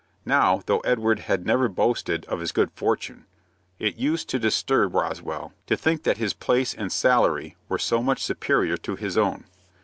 Now, though Edward had never boasted of his good fortune, it used to disturb Roswell to think that his place and salary were so much superior to his own.